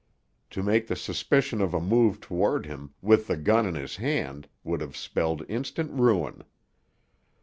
To make the suspicion of a move toward him, with the gun in his hand, would have spelled instant ruin.